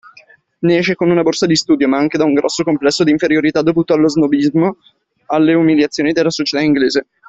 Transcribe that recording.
Ne esce con una borsa di studio, ma anche con un grosso complesso di inferiorità dovuto allo snobismo e alle umiliazioni della società inglese.